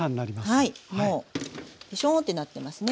はいもうぺしょんってなってますね。